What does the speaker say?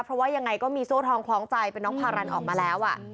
เพราะว่ายังไงก็มีโซ่ทองคล้องใจเป็นน้องพารันออกมาแล้ว